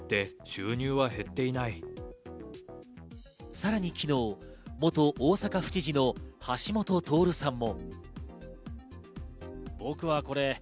さらに昨日、元大阪府知事の橋下徹さんも。